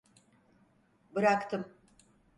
Bıraktım.